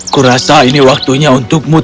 kurasa ini waktunya untuk mulai